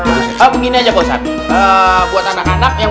buat anak anak yang berpikirnya tidak bisa berpikir pikir